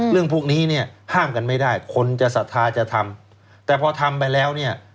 พวกนี้เนี่ยห้ามกันไม่ได้คนจะศรัทธาจะทำแต่พอทำไปแล้วเนี่ย